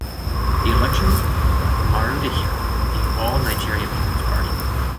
The election was won by Umaru Dahiru of the All Nigeria Peoples Party.